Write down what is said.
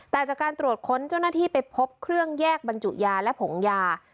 แต่จากการตรวจค้นเจ้าหน้าที่ไปพบเครื่องแยกบรรจุยาและผงยา